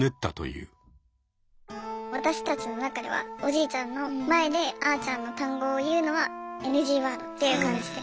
私たちの中ではおじいちゃんの前であーちゃんの単語を言うのは「ＮＧワード」っていう感じで。